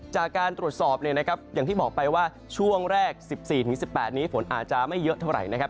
จากการตรวจสอบเนี่ยนะครับอย่างที่บอกไปว่าช่วงแรก๑๔๑๘นี้ฝนอาจจะไม่เยอะเท่าไหร่นะครับ